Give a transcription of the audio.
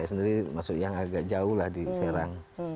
saya sendiri masuk yang agak jauh lah di serang